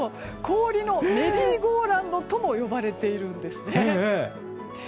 氷のメリーゴーランドとも呼ばれているんですね。